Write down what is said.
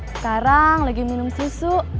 sekarang lagi minum susu